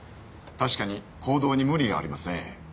確かに行動に無理がありますね。